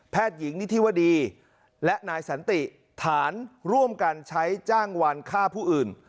หญิงนิธิวดีและนายสันติฐานร่วมกันใช้จ้างวันฆ่าผู้อื่น